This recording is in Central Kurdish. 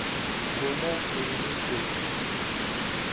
گۆنا له وێنهی تۆ بوو